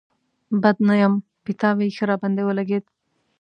بد نه يم، پيتاوی ښه راباندې ولګېد.